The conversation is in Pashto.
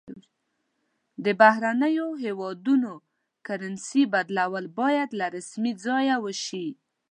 د بهرنیو هیوادونو کرنسي بدلول باید له رسمي ځایه وشي.